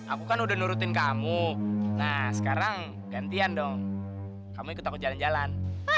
aku kan udah nurutin kamu nah sekarang gantian dong kamu ikut takut jalan jalan